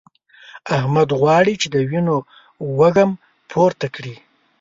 احمد غواړي چې د وينو وږم پورته کړي.